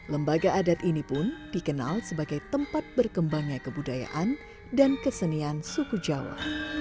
lembaga adat ini pun dikenal sebagai tempat berkembangnya kebudayaan dan kesenian suku jawa